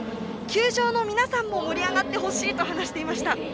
球場の皆さんも盛り上がってほしいと話していました。